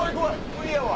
無理やわ。